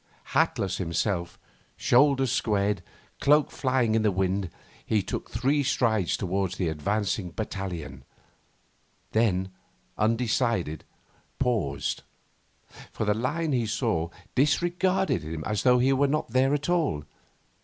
Hatless himself, shoulders squared, cloak, flying in the wind, he took three strides towards the advancing battalion then, undecided, paused. For the line, he saw, disregarded him as though he were not there at all.